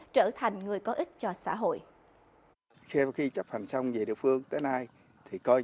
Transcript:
trở thành người có ích cho xã hội